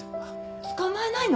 捕まえないの？